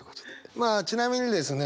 まあちなみにですね